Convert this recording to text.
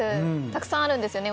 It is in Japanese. たくさんあるんですよね